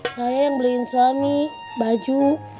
saya yang beliin suami baju